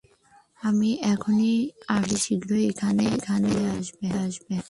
আমি এখনই আসছি গাড়ি শীঘ্রই এখানে চলে আসবে।